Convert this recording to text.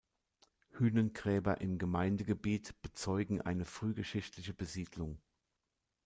Hünengräber im Gemeindegebiet bezeugen eine frühgeschichtliche Besiedlung.